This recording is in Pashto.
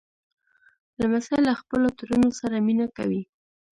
لمسی له خپلو ترونو سره مینه کوي.